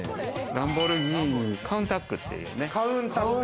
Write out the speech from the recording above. ランボルギーニ、カウンタックっていうね。